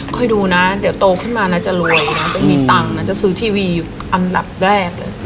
ดูนะเดี๋ยวโตขึ้นมานะจะรวยนะจะมีตังค์นะจะซื้อทีวีอยู่อันดับแรกเลย